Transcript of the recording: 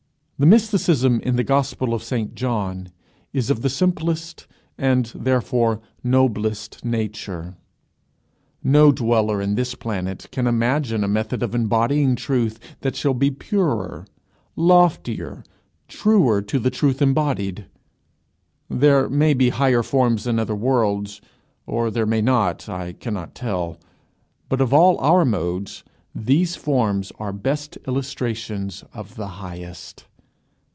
The mysticism in the Gospel of St John is of the simplest, and, therefore, noblest nature. No dweller in this planet can imagine a method of embodying truth that shall be purer, loftier, truer to the truth embodied. There may be higher modes in other worlds, or there may not I cannot tell; but of all our modes these forms are best illustrations of the highest.